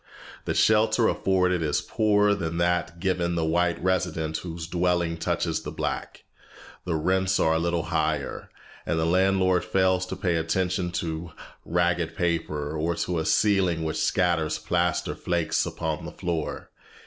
The shelter afforded is poorer than that given the white resident whose dwelling touches the black, the rents are a little higher, and the landlord fails to pay attention to ragged paper, or to a ceiling which scatters plaster flakes upon the floor.